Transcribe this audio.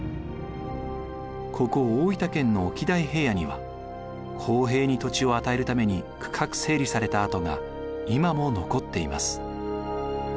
ここ大分県の沖代平野には公平に土地を与えるために区画整理された跡が今も残っています。